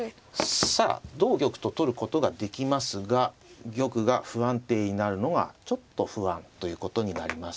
さあ同玉と取ることができますが玉が不安定になるのがちょっと不安ということになります。